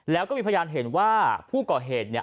แล้วก็มีพยานเห็นว่าผู้ก่อเหตุเนี่ย